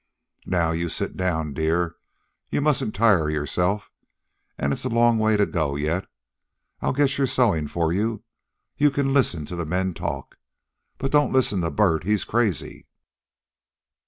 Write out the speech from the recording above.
"Now you sit down, dear. You mustn't tire yourself, and it's a long way to go yet. I'll get your sewing for you, and you can listen to the men talk. But don't listen to Bert. He's crazy."